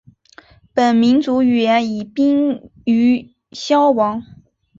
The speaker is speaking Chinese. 本民族语言已濒于消亡。